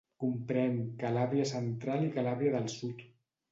Comprèn Calàbria central i Calàbria del sud.